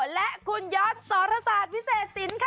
และคุณยอดสรษาตรพิเศษตินค่ะ